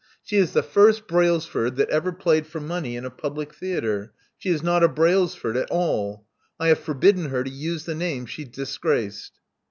She is the first Brailsford that ever played for money in a public theatre. She is not a Brailsford at all. I have forbidden her to use the name she's disgraced."